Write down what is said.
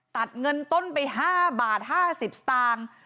ตัดเงินต้นไป๕บาท๕๐สตางค์